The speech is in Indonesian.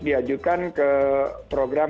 diajukan ke program